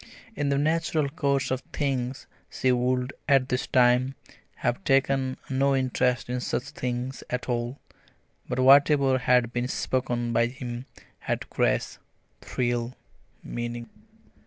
In the natural course of things she would, at this time, have taken no interest in such things at all, but whatever had been spoken by him had grace, thrill, meaning.